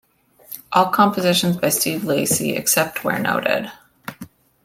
All compositions by Steve Lacy except where noted.